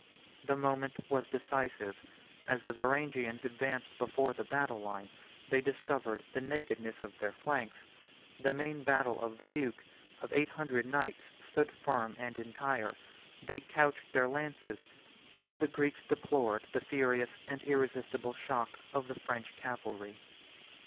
The moment was decisive: as the Varangians advanced before the line, they discovered the nakedness of their flanks: the main battle of the duke, of eight hundred knights, stood firm and entire; they couched their lances, and the Greeks bore the furious and irresistible shock of the French cavalry.